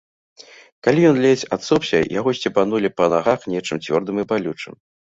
Калі ён ледзь адсопся, яго сцебанулі па нагах нечым цвёрдым і балючым.